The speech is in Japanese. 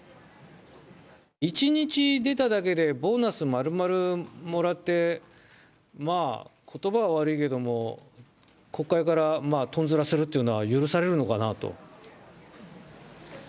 １日出ただけで、ボーナスまるまるもらって、まあ、ことばは悪いけども、国会からとんずらするっていうのは許されるのかなと。